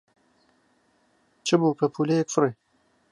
چ بوو پەپوولەیەک فڕی